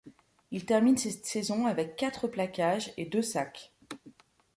Il termine cette saison avec quatre plaquages et deux sacks.